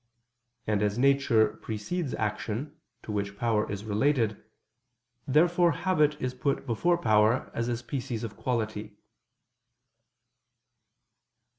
And as nature precedes action, to which power is related, therefore habit is put before power as a species of quality.